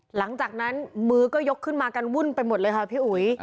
หลังจากนั้นมือก็ยกขึ้นมากันวุ่นไปหมดเลยค่ะพี่อุ๋ย